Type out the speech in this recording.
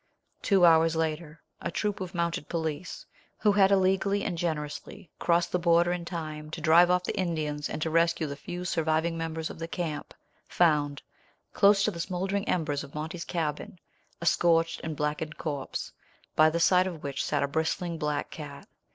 Two hours later a troop of Mounted Police, who had illegally and generously crossed the border in time to drive off the Indians and to rescue the few surviving members of the camp, found, close to the smouldering embers of Monty's cabin, a scorched and blackened corpse, by the side of which sat a bristling black cat.